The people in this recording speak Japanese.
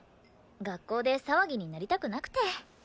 学校で騒ぎになりたくなくて。